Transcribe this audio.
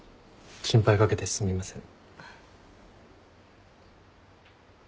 心配かけてすみません。